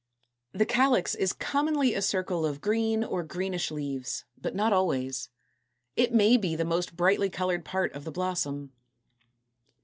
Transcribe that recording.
230. =The Calyx= is commonly a circle of green or greenish leaves, but not always. It may be the most brightly colored part of the blossom.